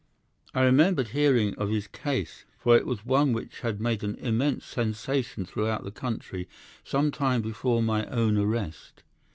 "'I remembered hearing of his case, for it was one which had made an immense sensation throughout the country some time before my own arrest.